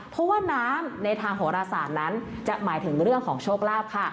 เพราะว่าน้ำในทางโหรศาสตร์นั้นจะหมายถึงเรื่องของโชคลาภค่ะ